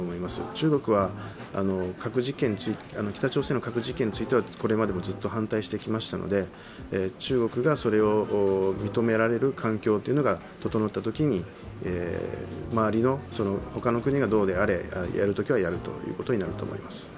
中国は北朝鮮の核実験についてこれまでもずっと反対してきましたので中国がそれを認められる環境というのが整ったときに周りの、他の国がどうであれやるときはやるということになると思います。